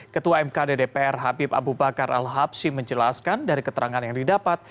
ketua mkd dpr habib abu bakar al habshi menjelaskan dari keterangan yang didapat